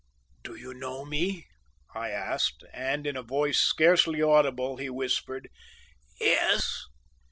"Do you know me?" I asked, and in a voice scarcely audible, he whispered "Yes."